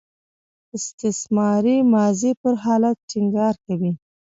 استمراري ماضي پر حالت ټینګار کوي.